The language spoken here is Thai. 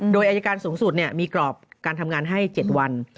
โดยอายการสูงสุดมีกรอบการทำงานให้๗วัน